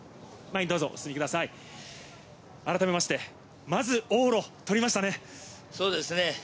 改めまして、往路、取りましたね。